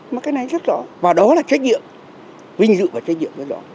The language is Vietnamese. mà cái này rất rõ và đó là trách nhiệm vinh dự và trách nhiệm rất rõ